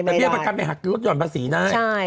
แต่เบียร์ประกันไปหักรถยนต์ภาษีได้